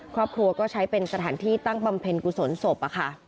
ครอบครัวก็ใช้เป็นสถานที่ตั้งบำเพ็ญกุศลศพ